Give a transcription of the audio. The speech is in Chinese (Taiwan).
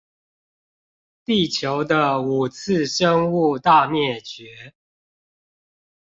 地球的五次生物大滅絕